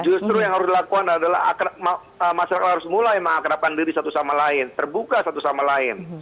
justru yang harus dilakukan adalah masyarakat harus mulai mengakrabkan diri satu sama lain terbuka satu sama lain